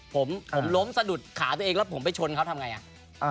ผมผมล้มสะดุดขาตัวเองแล้วผมไปชนเขาทำไงอ่ะ